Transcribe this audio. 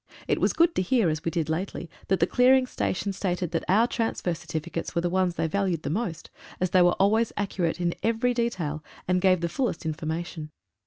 It was good to hear, as we did lately that the clearing station stated that our transfer certificates were the ones they valued most as they were always accurate in every detail, and gave the fullest information.